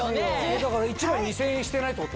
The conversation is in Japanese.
だから１枚２０００円してないってこと？